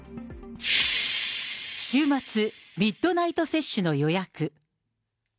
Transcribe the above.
週末ミッドナイト接種の予約。